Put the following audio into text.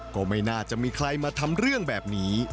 ก็ไม่น่าจะมีใครมาทำเรื่องแบบนี้